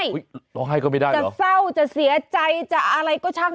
ร้องไห้ก็ไม่ได้จะเศร้าจะเสียใจจะอะไรก็ช่าง